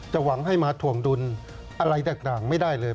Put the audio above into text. หวังให้มาถ่วงดุลอะไรต่างไม่ได้เลย